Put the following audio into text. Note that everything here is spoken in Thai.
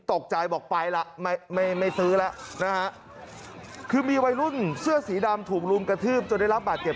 โอ้โฮเกือบจะดีแล้วเชียว